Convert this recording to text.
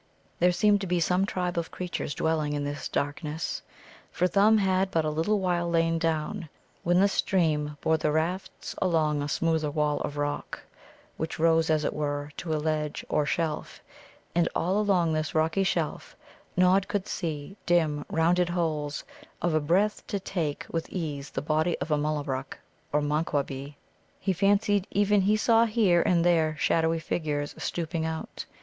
There seemed to be some tribe of creatures dwelling in this darkness. For Thumb had but a little while lain down, when the stream bore the rafts along a smoother wall of rock, which rose, as it were, to a ledge or shelf; and all along this rocky shelf Nod could see dim, rounded holes, of a breadth to take with ease the body of a Mullabruk or Manquabee. He fancied even he saw here and there shadowy figures stooping out.